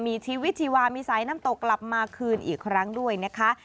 มีชีวิตชีวามีสายน้ำตกกลับมาคืนอีกครั้งด้วยนะคะ